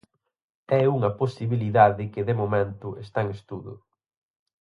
É unha posibilidade que de momento está en estudo.